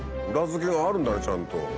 裏付けがあるんだねちゃんと。